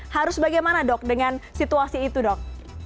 harus bagaimana dok dengan situasi itu dok